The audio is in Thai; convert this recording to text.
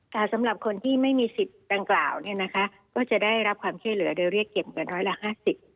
แต่สำหรับคนที่ไม่มีสิทธิ์ดังกล่าวเนี่ยนะคะก็จะได้รับความช่วยเหลือโดยเรียกเก็บเงินร้อยละห้าสิบ